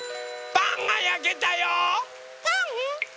・パンがやけたよ！